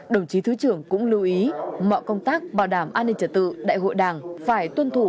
đồng chí thứ trưởng cũng lưu ý mọi công tác bảo đảm an ninh trật tự đại hội đảng phải tuân thủ